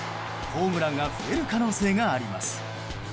ホームランが増える可能性があります。